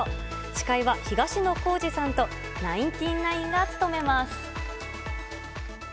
司会は東野幸治さんと、ナインティナインが務めます。